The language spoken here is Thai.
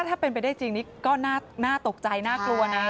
ถ้าเป็นไปได้จริงนี่ก็น่าตกใจน่ากลัวนะ